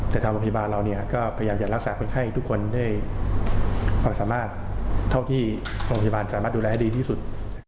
แต่ทางโรงพยาบาลเราก็พยายามจะรักษาคนไข้ทุกคนด้วยความสามารถเท่าที่โรงพยาบาลสามารถดูแลให้ดีที่สุด